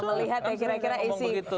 melihat kira kira isi